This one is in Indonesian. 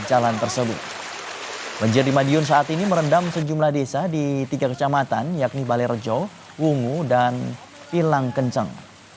banjir di madiun saat ini merendam sejumlah desa di tiga kecamatan yakni balai rejo wungu dan kilang kenceng